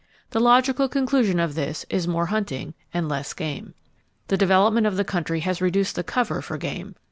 The logical conclusion of this is more hunting and less game. The development of the country has reduced the cover for game.